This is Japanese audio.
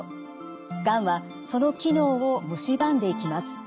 がんはその機能をむしばんでいきます。